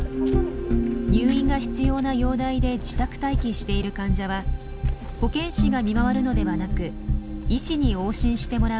入院が必要な容体で自宅待機している患者は保健師が見回るのではなく医師に往診してもらう仕組みも作りました。